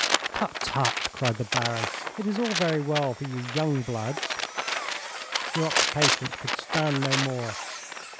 'Tut, tut!' cried the Baron. 'It is all very well for you young bloods ' Duroc's patience could stand no more.